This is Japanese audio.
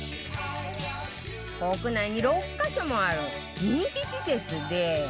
国内に６カ所もある人気施設で